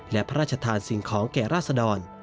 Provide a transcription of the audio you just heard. และพระราชทานสิ่งของแก่ราษดร